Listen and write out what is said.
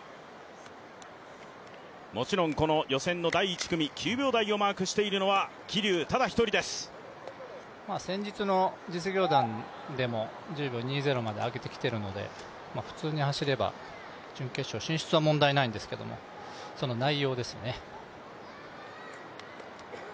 もちろん予選の第１組９秒台をマークしているのは先日の実業団でも１０秒２０まで上げてきているので、普通に走れば準決勝進出は問題ないんですけど内容ですよね。